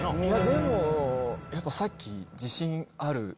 でもやっぱさっき。